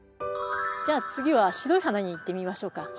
じゃあ次は白い花にいってみましょうか。